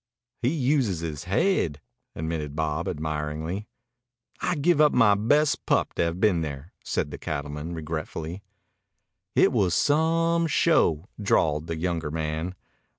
"He uses his haid," admitted Bob admiringly. "I'd give my best pup to have been there," said the cattleman regretfully. "It was some show," drawled the younger man.